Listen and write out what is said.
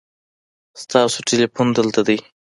ستاسو تلیفون دلته دی